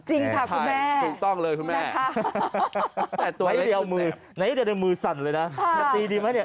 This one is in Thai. จริงค่ะคุณแม่